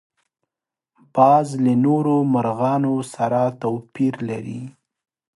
باز له نورو مرغانو سره توپیر لري